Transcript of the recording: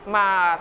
mà thay đổi